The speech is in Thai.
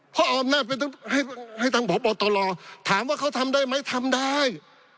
เพราะออมน่าเป็นให้ทางพบอตโตรถามว่าเขาทำได้ไหมทำได้